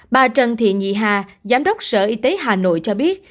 bà trần thị nhị hà giám đốc sở y tế hà nội cho biết